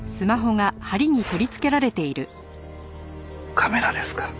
カメラですか。